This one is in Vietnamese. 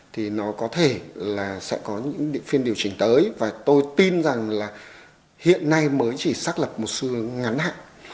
thì nó có thể là sẽ có những phiên điều chỉnh tới và tôi tin rằng là hiện nay mới chỉ xác lập một xu hướng ngắn hạn